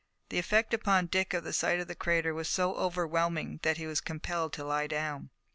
The effect upon Dick of the sight in the crater was so overwhelming that he was compelled to lie down.